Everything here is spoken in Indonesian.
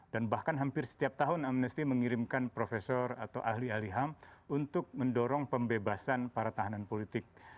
dan bahkan hampir setiap tahun amnesty mengirimkan profesor atau ahli ahli ham untuk mendorong pembebasan para tahanan politik